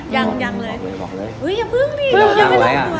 อย่าพึ่งดิยังไม่ลงตัว